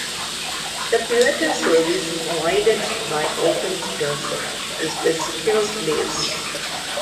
The pivotal service provided by OpenSkills is the SkillsBase.